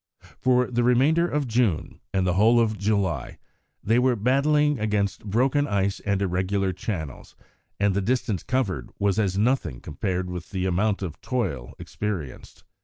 For the remainder of June, and the whole of July, they were battling against broken ice and irregular channels, and the distance covered was as nothing compared with the amount of toil experienced.